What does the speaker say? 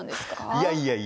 いやいやいや。